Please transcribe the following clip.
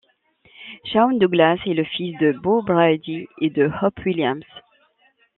Shawn-Douglas est le fils de Bo Brady et de Hope Williams.